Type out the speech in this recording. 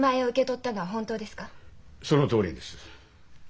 そのとおりです。